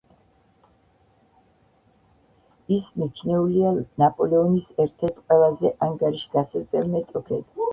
ის მიჩნეულია ნაპოლეონის ერთ-ერთ ყველაზე ანგარიშგასაწევ მეტოქედ.